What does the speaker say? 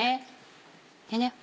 でね